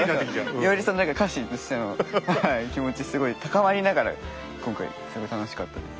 よりその何か家臣としての気持ちすごい高まりながら今回すごい楽しかったです。